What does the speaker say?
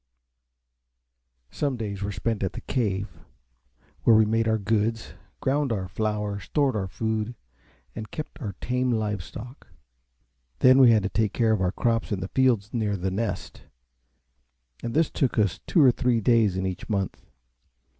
Some days were spent at the Cave, where we made our goods, ground our flour, stored our food, and kept our tame live stock. Then we had to take care of our crops in the fields near The Nest, and this took us two or three days in each month.